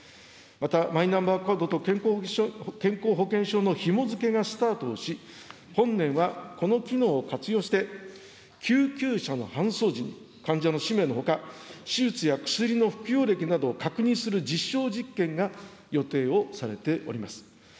また、マイナンバーカードと健康保険証のひもづけがスタートをし、本年はこの機能を活用して、救急車の搬送時に、患者の氏名のほか、手術や薬の服用歴などを確認する実証実験が予定をされております。